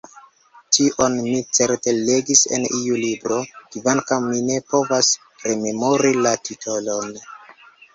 Tion mi certe legis en iu libro kvankam mi ne povas rememori la titolon.